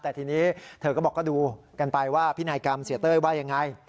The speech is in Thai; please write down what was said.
แต่ทีนี้เธอก็บอกก็ดูกันไปว่าพินัยกรรมเสียเต้ยว่ายังไง